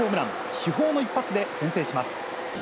主砲の一発で先制します。